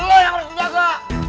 lo yang harus jaga